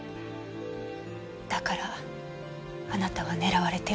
だからあなたは狙われてるの？